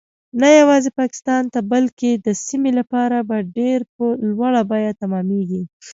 نه یوازې پاکستان ته بلکې د سیمې لپاره به ډیر په لوړه بیه تمامیږي